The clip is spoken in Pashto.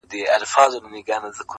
ته له قلف دروازې، یو خروار بار باسه.